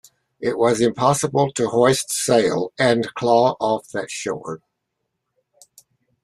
It was impossible to hoist sail and claw off that shore.